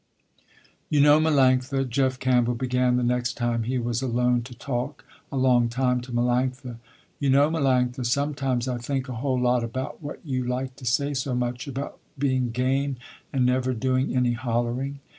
"You know Melanctha," Jeff Campbell began, the next time he was alone to talk a long time to Melanctha. "You know Melanctha, sometimes I think a whole lot about what you like to say so much about being game and never doing any hollering.